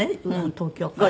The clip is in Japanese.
東京から。